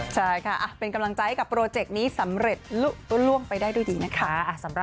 ใช่ค่ะเป็นกำลังใจให้กับโปรเจกต์นี้สำเร็จล่วงไปได้ด้วยดีนะคะ